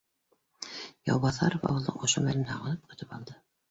Яубаҫаров ауылдың ошо мәлен һағынып көтөп алды